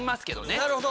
なるほど。